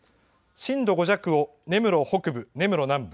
震度５弱を根室北部根室南部。